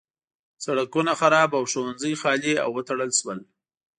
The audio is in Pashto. سړکونه خراب او ښوونځي خالي او وتړل شول.